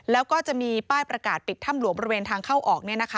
แล้วก็จะมีป้ายประกาศปิดถ้ำหลวงบริเวณทางเข้าออก